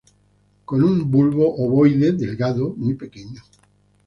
Con un bulbo ovoide delgado, muy pequeño.